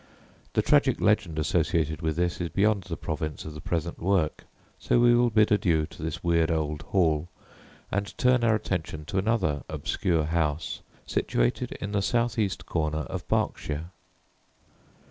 The tragic legend associated with this is beyond the province of the present work, so we will bid adieu to this weird old hall, and turn our attention to another obscure house situated in the south east corner of Berkshire.